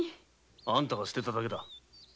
あんたが捨てただけだ。